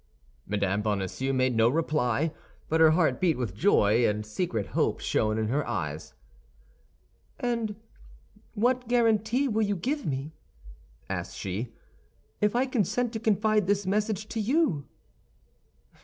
Mme. Bonacieux made no reply; but her heart beat with joy and secret hope shone in her eyes. "And what guarantee will you give me," asked she, "if I consent to confide this message to you?"